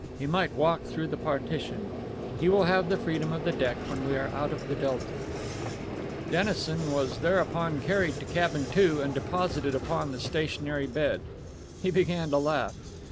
He might walk through the partition. He will have the freedom of the deck when we are out of the delta." Dennison was thereupon carried to Cabin Two, and deposited upon the stationary bed. He began to laugh.